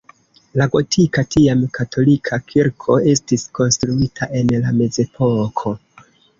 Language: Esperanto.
La gotika, tiam katolika kirko estis konstruita en la mezepoko.